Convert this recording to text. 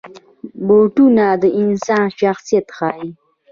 بوټونه د انسان شخصیت ښيي.